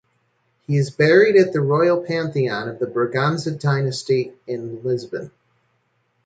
He is buried at the Royal Pantheon of the Braganza Dynasty in Lisbon.